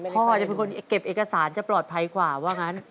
พ่อจะเป็นคนเก็บเอกสารจะปลอดภัยกว่าว่างั้น